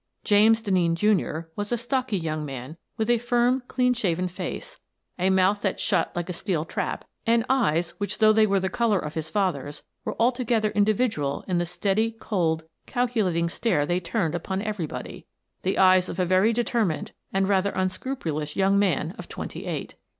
James Denneen, Jr., was a stocky young man with a firm, clean shaven face, a mouth that shut like a steel trap, and eyes which, though they were the colour of his father's, were altogether in dividual in the steady, cold, calculating stare they turned upon everybody — the eyes of a very de termined and rather unscrupulous young man of twenty eight.